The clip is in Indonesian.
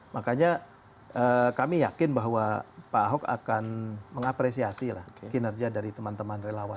makanya kami yakin bahwa pak ahok akan mengapresiasi lah kinerja dari teman teman relawan